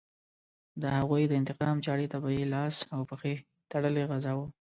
د هغوی د انتقام چاړې ته به یې لاس او پښې تړلې غځاوه.